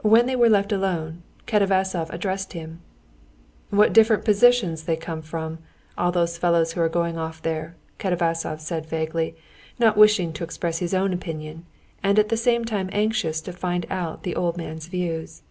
When they were left alone, Katavasov addressed him. "What different positions they come from, all those fellows who are going off there," Katavasov said vaguely, not wishing to express his own opinion, and at the same time anxious to find out the old man's views.